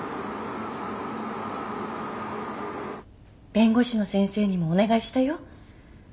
弁護士の先生にもお願いしたよ。